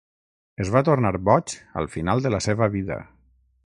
Es va tornar boig al final de la seva vida.